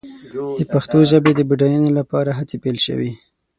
د پښتو ژبې د بډاینې لپاره هڅې پيل شوې.